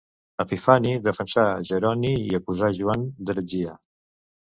Epifani defensà Jeroni i acusà Joan d'heretgia.